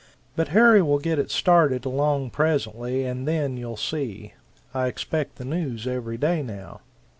But Harry will get it started along presently, and then you'll see! I expect the news every day now."